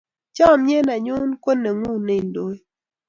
chamiet nenyun ko nengu ne indoi